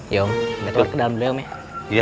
ya om kita ke dalam dulu ya om ya